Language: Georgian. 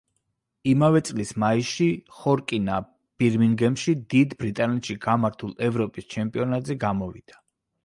იმავე წლის მაისში ხორკინა ბირმინგემში, დიდ ბრიტანეთში გამართულ ევროპის ჩემპიონატზე გამოვიდა.